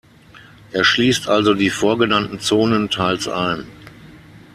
Er schließt also die vorgenannten Zonen teils ein.